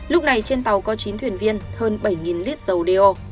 lúc này trên tàu có chín thuyền viên hơn bảy lít dầu đeo